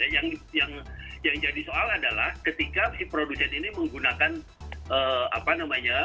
yang jadi soal adalah ketika si produsen ini menggunakan